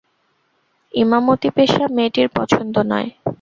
ইমামতি পেশা মেয়েটির পছন্দ নয়।